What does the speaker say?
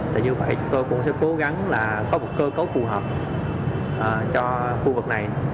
tại như vậy tôi cũng sẽ cố gắng là có một cơ cấu phù hợp cho khu vực này